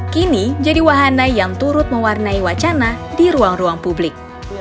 kini jadi wahana yang turut mewarnai wacana di ruang ruang publik